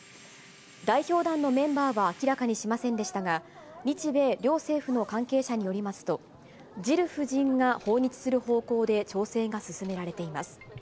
代表団のメンバーは明らかにしませんでしたが、日米両政府の関係者によりますと、ジル夫人が訪日する方向で調整が進められています。